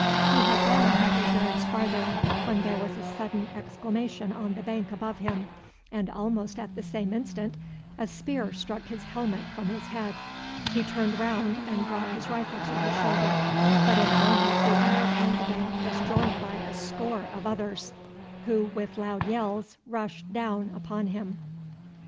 He had gone a hundred yards farther when there was a sudden exclamation on the bank above him, and almost at the same instant a spear struck his helmet from his head. He turned round and brought his rifle to his shoulder, but in a moment the Arab on the bank was joined by a score of others, who with loud yells rushed down upon him.